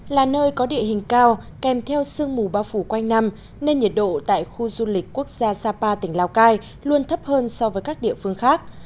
là nơi có địa hình cao kèm theo sương mù bao phủ quanh năm nên nhiệt độ tại khu du lịch quốc gia sapa tỉnh lào cai luôn thấp hơn so với các địa phương khác